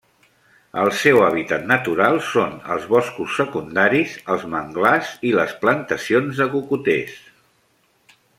El seu hàbitat natural són els boscos secundaris, els manglars i les plantacions de cocoters.